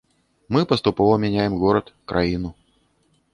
Мы паступова мяняем горад, краіну.